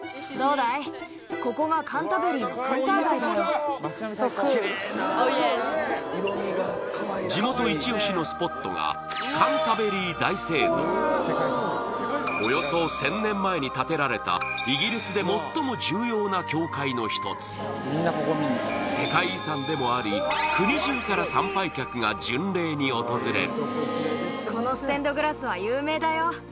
日中は地元イチオシのスポットがおよそ１０００年前に建てられたイギリスで最も重要な教会の１つ世界遺産でもあり国中から参拝客が巡礼に訪れる